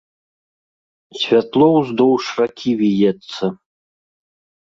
Святло ўздоўж ракі віецца.